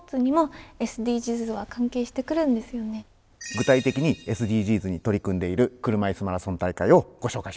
具体的にＳＤＧｓに取り組んでいる車いすマラソン大会をご紹介しましょう。